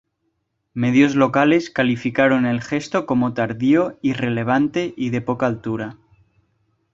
Medios locales calificaron el gesto como "tardío", "irrelevante" y "de poca altura".